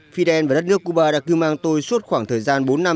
fidel và đất nước cuba đã cư mang tôi suốt khoảng thời gian bốn năm